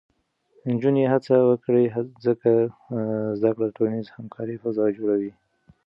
نجونې هڅه وکړي، ځکه زده کړه د ټولنیزې همکارۍ فضا جوړوي.